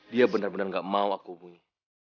dia benar benar enggak mau aku bunyi